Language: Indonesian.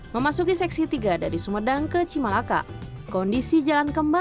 memasuki seksi tiga dari sumedang ke cimalaka kondisi jalan kembang tidak terlalu baik